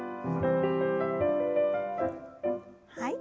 はい。